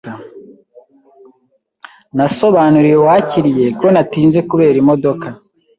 Nasobanuriye uwakiriye ko natinze kubera imodoka.